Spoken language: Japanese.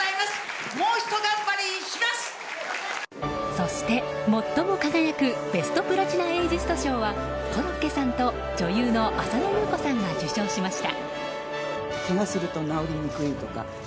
そして、最も輝くベストプラチナエイジスト賞はコロッケさんと女優の浅野ゆう子さんが受賞しました。